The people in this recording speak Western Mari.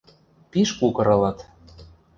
Пиш кукыр ылыт...